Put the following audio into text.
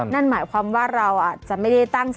นั่นหมายความว่าเราอาจจะไม่ได้ตั้งสติ